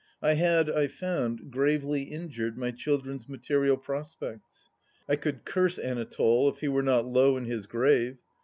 I had, I found, gravely injured my children's material prospects. ... I could curse Anatole, if he were not low in his grave